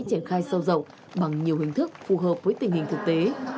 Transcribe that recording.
triển khai sâu rộng bằng nhiều hình thức phù hợp với tình hình thực tế